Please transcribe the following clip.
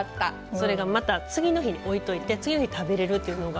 それがまた次の日に置いといて次の日食べれるというのが。